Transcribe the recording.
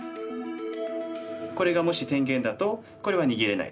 これがもし天元だとこれは逃げれないですね。